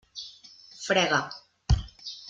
Frega.